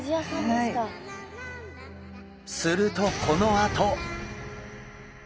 するとこのあと！